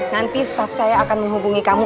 nanti staff saya akan menghubungi kamu